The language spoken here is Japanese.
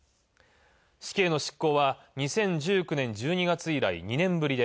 死刑の執行は２０１９年１２月以来２年ぶりで